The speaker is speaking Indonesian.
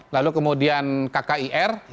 lalu kemudian kkir